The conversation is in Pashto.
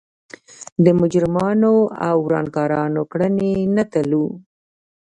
د مجرمانو او ورانکارانو کړنې نه تلو.